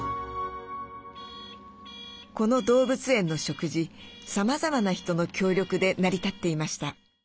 この動物園の食事さまざまな人の協力で成り立っていました。